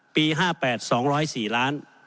ปี๕๘๒๐๔ล้าน